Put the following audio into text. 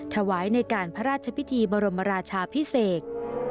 ถวายในการพระราชพิธีบรมราชาพิเศษ